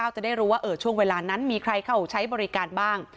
จะได้รู้ว่าช่วงเวลานั้นมีใครเข้าใช้บริการบ้าง